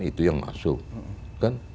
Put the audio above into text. itu yang masuk kan